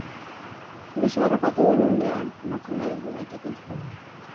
Besoa harrapatu duen unean, emakume heldu batekin zihoan.